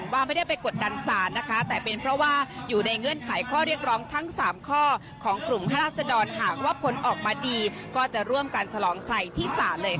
ว่าไม่ได้ไปกดดันศาลนะคะแต่เป็นเพราะว่าอยู่ในเงื่อนไขข้อเรียกร้องทั้ง๓ข้อของกลุ่มข้าราชดรหากว่าผลออกมาดีก็จะร่วมกันฉลองชัยที่ศาลเลย